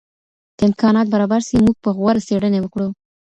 که امکانات برابر سي موږ به غوره څېړني وکړو.